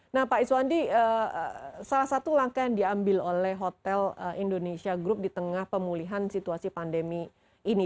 nah pak iswandi salah satu langkah yang diambil oleh hotel indonesia group di tengah pemulihan situasi pandemi ini